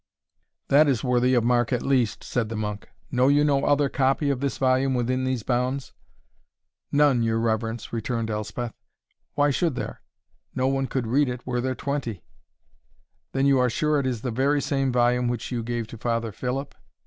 "That is worthy of mark at least," said the monk. "Know you no other copy of this volume within these bounds?" "None, your reverence," returned Elspeth; "why should there? no one could read it were there twenty." "Then you are sure it is the very same volume which you gave to Father Philip?"